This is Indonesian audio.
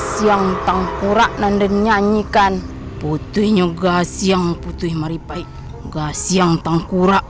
siang tangkurak nanden nyanyikan putihnya gas yang putih mari baik gas yang tangkurak